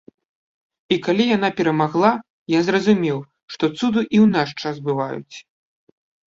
І калі яна перамагла, я зразумеў, што цуды і ў наш час бываюць.